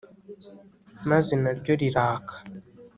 maze na ryo riraka